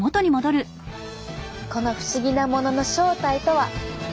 この不思議なものの正体とは？